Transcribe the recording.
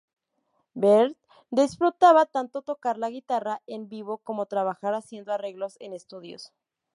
Bernd disfrutaba tanto tocar la guitarra en vivo como trabajar haciendo arreglos en estudio.